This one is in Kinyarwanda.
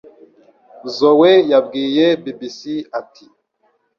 Zoe yabwiye BBC ati